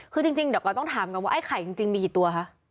คือจริงเดี๋ยวก่อนต้องถามกันว่าไอ้ไข่จริงมีกี่ตัวคะ